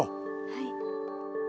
はい。